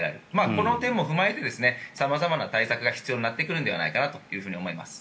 この点も踏まえて様々な対策が必要になってくるんじゃないかなと思います。